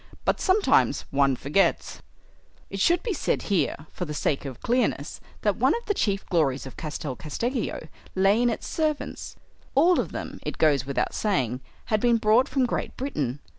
But sometimes one forgets." It should be said here, for the sake of clearness, that one of the chief glories of Castel Casteggio lay in its servants. All of them, it goes without saying, had been brought from Great Britain.